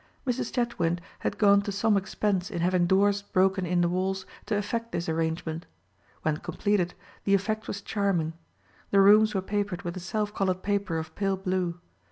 Mrs. Chetwynd had gone to some expense in having doors broken in the walls to effect this arrangement. When completed, the effect was charming. The rooms were papered with a self colored paper of pale blue.